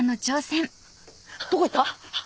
どこ行った⁉あ！